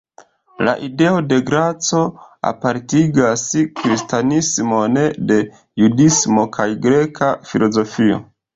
La ideo de graco apartigas kristanismon de judismo kaj greka filozofio.